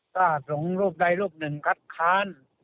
ถ้าสงุลุกใดลูกหนึ่งคัดค้าน